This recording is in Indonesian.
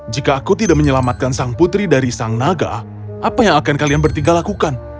jika aku tidak menyelamatkan sang putri dari sang naga apa yang akan kalian bertiga lakukan